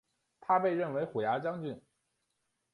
他被任为虎牙将军。